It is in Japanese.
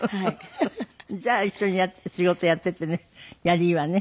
じゃあ一緒に仕事やっていてねやりいいわね。